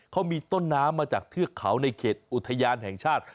เขามีต้นน้ำมาจากเทือกเขาในเขตอุทยานแห่งชาติ